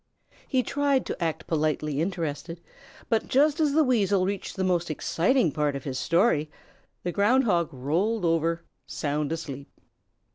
He tried to act politely interested, but just as the Weasel reached the most exciting part of his story, the Ground Hog rolled over sound asleep.